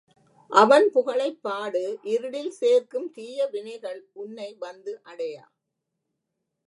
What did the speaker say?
அவன் புகழைப் பாடு இருளில் சேர்க்கும் தீய வினைகள் உன்னை வந்து அடையா.